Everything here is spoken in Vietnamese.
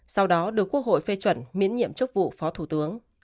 sau đó được quốc hội phê chuẩn miễn nhiệm chức vụ phó thủ tướng